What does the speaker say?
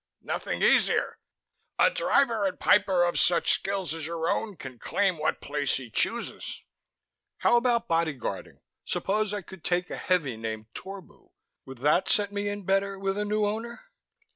"Nothing easier. A Driver and Piper of such skills as your own can claim what place he chooses." "How about bodyguarding? Suppose I could take a heavy named Torbu; would that set me in better with a new Owner?"